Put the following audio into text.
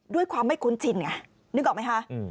ด้วยความไม่คุ้นชินไงนึกออกไหมคะ